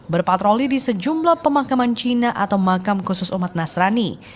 berpatroli di sejumlah pemakaman cina atau makam khusus umat nasrani